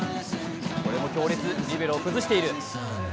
これも強烈、リベロを崩している。